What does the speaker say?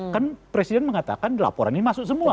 kan presiden mengatakan laporan ini masuk semua